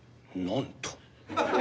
なんと。